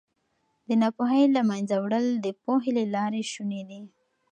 د ناپوهۍ له منځه وړل د پوهې له لارې شوني دي.